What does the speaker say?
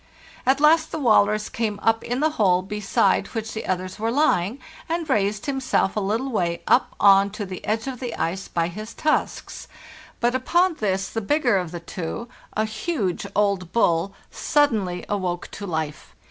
At last the walrus came up in the hole be side which the others were lying, and raised himself a little way up on to the edge of the ice by his tusks; but upon this the bigger of the two, a huge old bull, sud denly awoke to life.